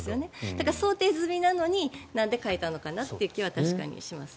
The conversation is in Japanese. だから、想定済みなのになんで変えたのかという気は確かにしますね。